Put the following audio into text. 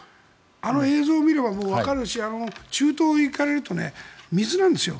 あの映像を見ればわかるし中東に行かれると水なんですよ。